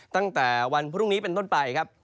ตั้งแต่วันพรุ่งนี้เป็นต้นไปครับ